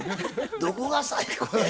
どこが最高やの。